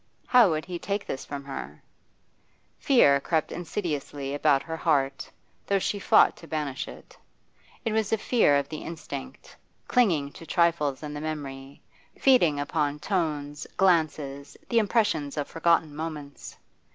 How would he take this from her? Fear crept insidiously about her heart, though she fought to banish it. It was a fear of the instinct, clinging to trifles in the memory, feeding upon tones, glances, the impressions of forgotten moments.